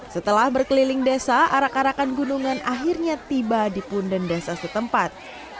setelah berkeliling desa arak arakan gunungan akhirnya tiba di punden desa setempat